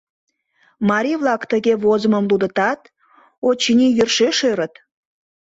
Марий-влак тыге возымым лудытат, очыни, йӧршеш ӧрыт.